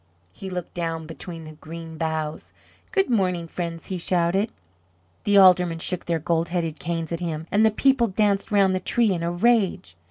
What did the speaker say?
He looked down between the green boughs. "Good morning, friends!" he shouted. The Aldermen shook their gold headed canes at him, and the people danced round the tree in a rage.